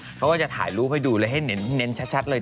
เพราะว่าจะถ่ายรูปให้ดูเลยให้เน้นชัดเลย